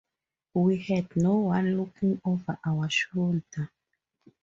We had no one looking over our shoulder.